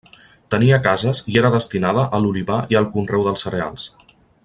Tenia cases i era destinada a l'olivar i al conreu dels cereals.